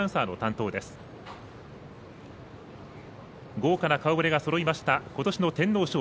豪華な顔ぶれがそろいましたことしの天皇賞。